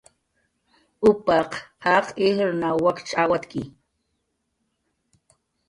Upaq qaq ijrnaw wakch awatki